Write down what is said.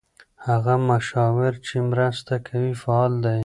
هغه مشاور چې مرسته کوي فعال دی.